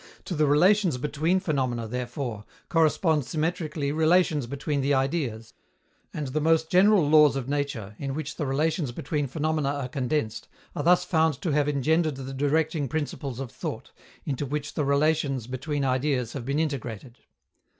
To the relations between phenomena, therefore, correspond symmetrically relations between the ideas. And the most general laws of nature, in which the relations between phenomena are condensed, are thus found to have engendered the directing principles of thought, into which the relations between ideas have been integrated.